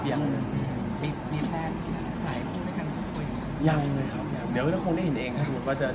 บ๊วยยังเลยครับเดี๋ยวเราคงได้เห็นเองถ้าสมมุติว่าจะมี